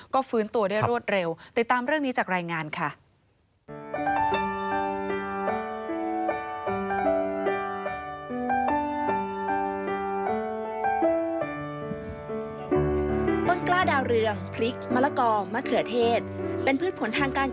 ก็ฟื้นตัวได้รวดเร็ว